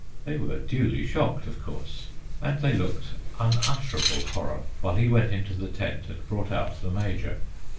They were duly shocked, of course, and they looked unutterable horror while he went into the tent and brought out the major.